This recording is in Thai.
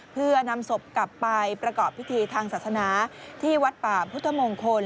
เพื่อนำศพกลับไปประกอบพิธีทางศาสนาที่วัดป่าพุทธมงคล